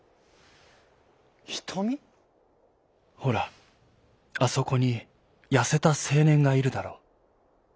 「ほらあそこにやせたせいねんがいるだろう。